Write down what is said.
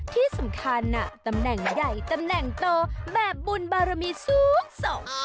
ที่สำคัญตำแหน่งใหญ่ตำแหน่งโตแบบบุญบารมีสูงส่ง